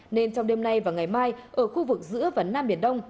nên trong đêm nay và ngày mai ở khu vực giữa và nam biển đông